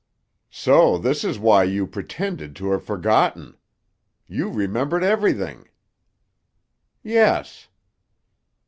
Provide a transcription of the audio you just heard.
"So this is why you pretended to have forgotten. You remembered everything?" "Yes."